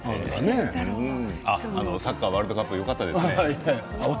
サッカーワールドカップよかったですね。